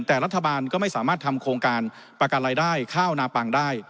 แต่รัฐบาลก็ไม่สามารถทำโครงการประกันรายได้ข้าวนาปังได้